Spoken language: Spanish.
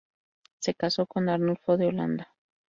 Se casó con Arnulfo de Holanda.